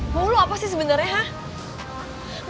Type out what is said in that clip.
mau lo apa sih sebenernya ha